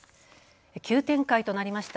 急展開となりました。